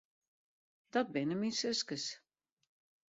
Dat binne myn suskes.